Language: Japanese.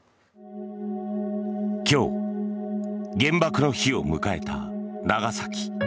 今日、原爆の日を迎えた長崎。